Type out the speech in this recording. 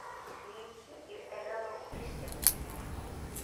Мин иртәгә үк Бристолгә китәм.